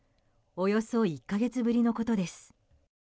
およそ１か月ぶりのことです。